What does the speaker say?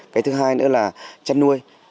cây thứ hai nữa là chân nuôi